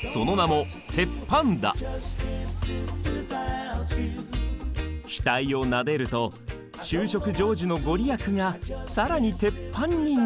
その名も額をなでると就職成就のご利益が更にテッパンになるかも。